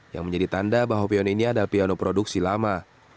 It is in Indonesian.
yang menjadi tanda bahwa pion ini adalah piano produksi lama